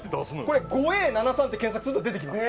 これ「５Ａ７３」って検索すると出てきます。